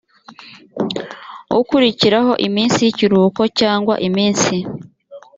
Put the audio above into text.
ukurikiraho iminsi y ikiruhuko cyangwa iminsi